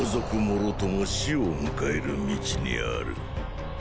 もろとも死を迎える道にある。